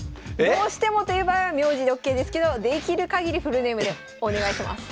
どうしてもという場合は名字でＯＫですけどできるかぎりフルネームでお願いします。